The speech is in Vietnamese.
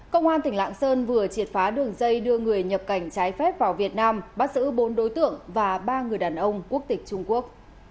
công an tỉnh lạng sơn vừa triệt phá đường dây đưa người nhập cảnh trái phép vào việt nam bắt giữ bốn đối tượng và ba người đàn ông quốc tịch trung quốc